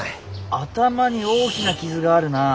頭に大きな傷があるな。